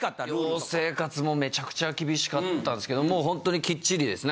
寮生活もめちゃくちゃ厳しかったんですけどもうホントにきっちりですね